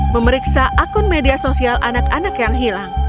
memeriksa akun media sosial anak anak yang hilang